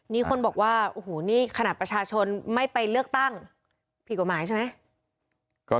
นี่คนบอกว่าโอ้โหนี่ขนาดประชาชนไม่ไปเลือกตั้งผิดกฎหมายใช่ไหม